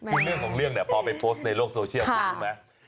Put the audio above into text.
คือเรื่องของเรื่องเนี่ยพอไปโพสต์ในโลกโซเชียลคุณรู้ไหม